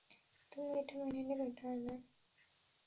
তুমি এটা মেনে নেবে, টায়লার?